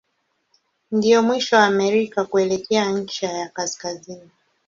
Ndio mwisho wa Amerika kuelekea ncha ya kaskazini.